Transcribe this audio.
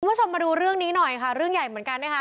คุณผู้ชมมาดูเรื่องนี้หน่อยค่ะเรื่องใหญ่เหมือนกันนะคะ